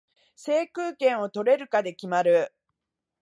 制空権を取れるかで決まる